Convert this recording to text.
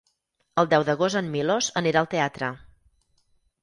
El deu d'agost en Milos anirà al teatre.